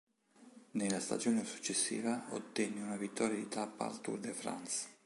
Nella stagione successiva ottenne una vittoria di tappa al Tour de France.